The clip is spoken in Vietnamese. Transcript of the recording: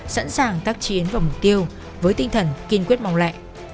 sẵn sàng tác chiến vào mục tiêu với tinh thần kiên quyết mong lệ